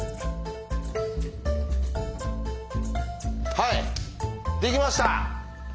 はいできました！